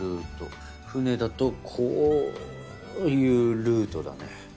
船だとこういうルートだね。